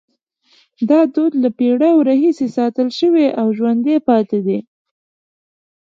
دا دود له پیړیو راهیسې ساتل شوی او ژوندی پاتې دی.